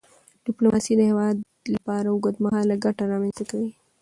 ډیپلوماسي د هیواد لپاره اوږدمهاله ګټه رامنځته کوي.